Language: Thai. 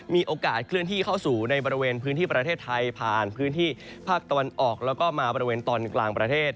มีโอกาสเคลื่อนที่เข้าสู่ในบริเวณพื้นที่ประเทศไทยผ่านพื้นที่ภาคตะวันออกแล้วก็มาบริเวณตอนกลางประเทศ